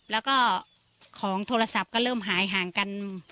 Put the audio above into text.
แล้วก็ของโทรศัพท์ก็เริ่มหายห่างกัน